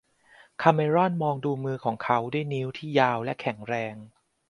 คาเมรอนมองดูมือของเขาด้วยนิ้วที่ยาวและแข็งแรง